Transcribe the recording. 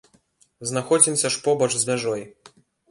Знаходзімся ж побач з мяжой.